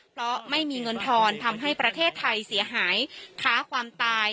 เพราะไม่มีเงินทอนทำให้ประเทศไทยเสียหายค้าความตาย